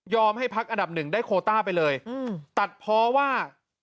ให้พักอันดับหนึ่งได้โคต้าไปเลยตัดเพราะว่า